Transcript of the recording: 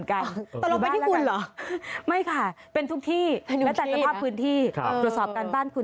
ฮัลโหลฮัลโหลฮัลโหลฮัลโหลฮัลโหลฮัลโหลฮัลโหล